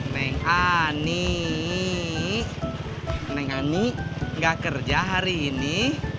neng ani gak kerja hari ini